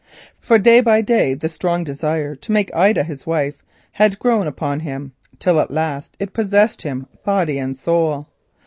For day by day the strong desire to make Ida his wife had grown upon him, till at last it possessed him body and soul.